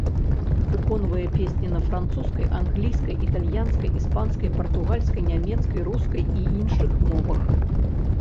Выконвае песні на французскай, англійскай, італьянскай, іспанскай, партугальскай, нямецкай, рускай і іншых мовах.